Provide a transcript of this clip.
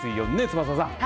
翼さん。